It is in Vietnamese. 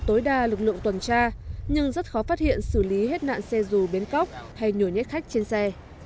tối đa lực lượng tuần tra nhưng rất khó phát hiện xử lý hết nạn xe dù bến cóc hay nhồi nhét khách trên xe